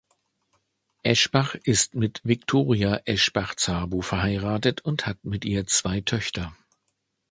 Eschbach ist mit Viktoria Eschbach-Szabo verheiratet und hat mit ihr zwei Töchter.